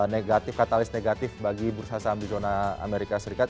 negatif katalis negatif bagi bursa saham di zona amerika serikat